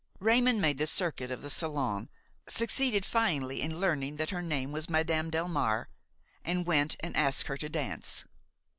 Raymon made the circuit of the salon, succeeded finally in learning that her name was Madame Delmare, and went and asked her to dance.